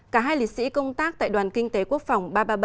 cả hai liệt sĩ công tác tại đoàn kinh tế quốc phòng ba trăm ba mươi bảy